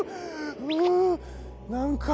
ううなんか